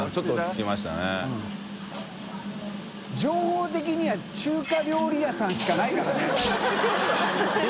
霾鹽砲中華料理屋さんしかないからね。